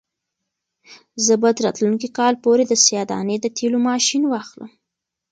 زه به تر راتلونکي کال پورې د سیاه دانې د تېلو ماشین واخلم.